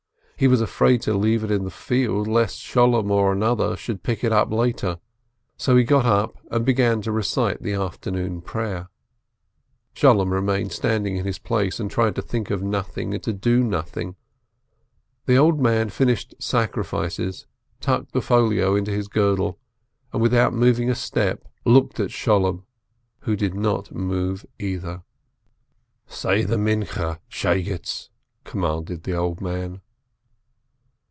He was afraid to leave it in the field, lest Sholem or another should pick it up later, so he got up and began to recite the Afternoon Prayer. Sholem remained standing in his place, and tried to think of nothing and to do nothing. The old man finished "Sacrifices," tucked the folio into his girdle, and, without moving a step, looked at Sholem, who did not move either. "Say the Afternoon Prayer, Shegetz!" commanded the old man.